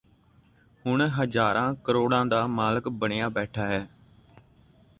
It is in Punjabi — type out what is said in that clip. ਹੁਣ ਹਜ਼ਾਰਾਂ ਕਰੋੜਾਂ ਦਾ ਮਾਲਕ ਬਣਿਆ ਬੈਠਾ ਹੈ